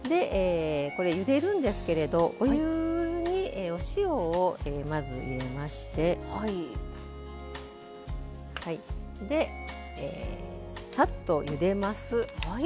ゆでるんですけれどもお湯にお塩をまず入れましてさっと、ゆでます。